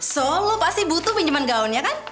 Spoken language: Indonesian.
so lo pasti butuh pinjeman gaunnya kan